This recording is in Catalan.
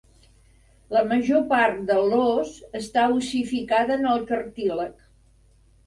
La major part de l"ós està ossificada en el cartílag.